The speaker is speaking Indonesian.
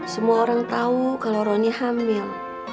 semua orang tau kalo lo ini hamil